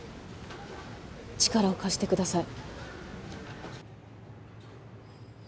力を貸してください。